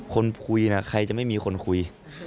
คนคุยนะใครจะไม่มีคนคุย